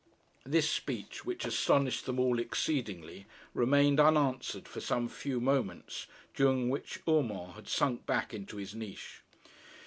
This speech, which astonished them all exceedingly, remained unanswered for some few moments, during which Urmand had sunk back into his niche.